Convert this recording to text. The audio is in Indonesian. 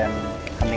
aku mau ke rumah